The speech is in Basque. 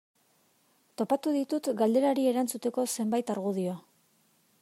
Topatu ditut galderari erantzuteko zenbait argudio.